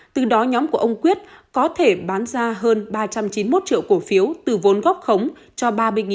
từ đó nhóm của ông quyết có thể bán ra hơn ba trăm chín mươi một triệu cổ phiếu từ vốn góp khống cho ba mươi bốn trăm linh đồng